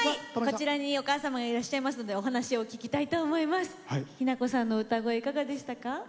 こちらにお母様いらっしゃいますんでお話を聴きたいと思いますひな子さんの歌どうでしたか？